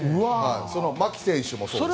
牧選手もそうですね。